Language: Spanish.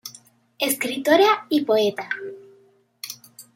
Escritora y poeta.